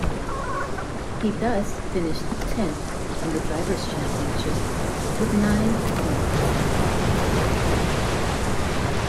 He thus finished tenth in the Drivers' Championship with nine points.